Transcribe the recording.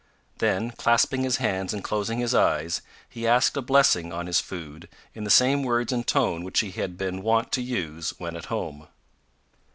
Then, clasping his hands and closing his eyes, he asked a blessing on his food in the same words and tone which he had been wont to use when at home.